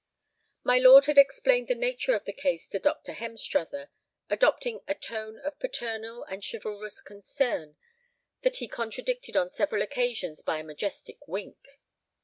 My lord had explained the nature of the case to Dr. Hemstruther, adopting a tone of paternal and chivalrous concern that he contradicted on several occasions by a majestic wink.